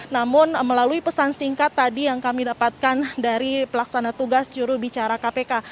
namun melalui pesan singkat tadi yang kami dapatkan dari pelaksana tugas jurubicara kpk